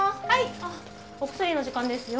お薬の時間ですよ。